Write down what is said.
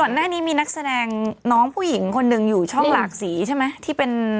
หน้านี้มีนักแสดงน้องผู้หญิงคนหนึ่งอยู่ช่องหลากสีใช่ไหมที่เป็น